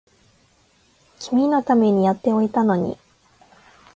君のためにやっておいたのに